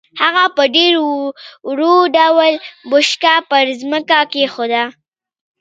هغه په ډېر ورو ډول بوشکه پر ځمکه کېښوده.